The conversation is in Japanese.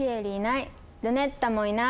ルネッタもいない。